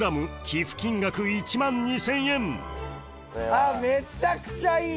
あっめちゃくちゃいい！